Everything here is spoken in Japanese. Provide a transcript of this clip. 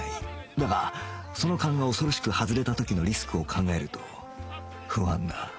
だがそのカンが恐ろしく外れた時のリスクを考えると不安だ